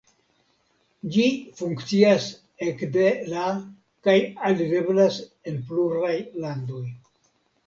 Ĝi funkcias ekde la kaj alireblas en pluraj landoj.